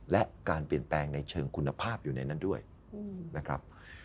และการเปลี่ยนแปลงในเชิงคุณภาพอยู่ในนั้นด้วยนะครับ